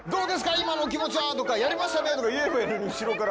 今のお気持ちは？とかやりましたねとか言えばいいのに後ろから。